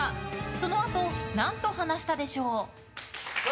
そのあと何と話したでしょう？